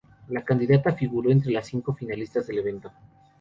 La candidata figuró entre las cinco finalistas del evento.